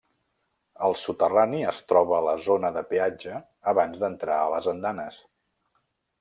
Al soterrani es troba la zona de peatge abans d'entrar a les andanes.